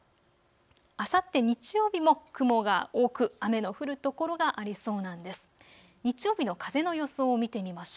あさって日曜日も雲が多く雨の降る所がありそうなんです。